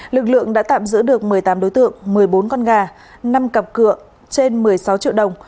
lực lượng đã tạm giữ được một mươi tám đối tượng một mươi bốn con gà năm cặp cửa trên một mươi sáu triệu đồng